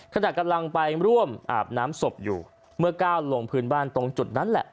ขณะกำลังไปร่วมอาบน้ำศพอยู่เมื่อก้าวลงพื้นบ้านตรงจุดนั้นแหละ